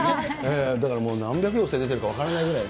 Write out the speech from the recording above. だからもう、何百寄席出てるか分からないぐらい。